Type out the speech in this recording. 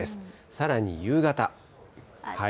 さらに夕方。